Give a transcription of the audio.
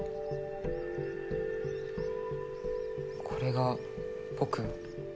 これが僕？